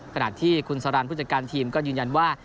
ขณะที่คุณสารันผู้จัดการทีมก็ยืนยันว่า